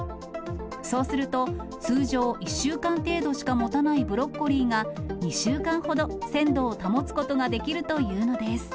そうすると、通常、１週間程度しかもたないブロッコリーが、２週間ほど、鮮度を保つことができるというのです。